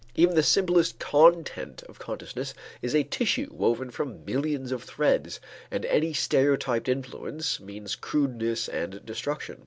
Even the simplest content of consciousness is a tissue woven from millions of threads and any stereotyped influence means crudeness and destruction.